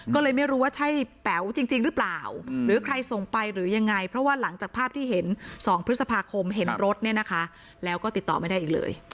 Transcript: ก็เลยไม่รู้ว่าใช่แป๋วจริงหรือเปล่าหรือใครส่งไปหรือยังไงเพราะว่าหลังจากภาพที่เห็น๒พฤษภาคมเห็นรถเนี่ยนะคะแล้วก็ติดต่อไม่ได้อีกเลย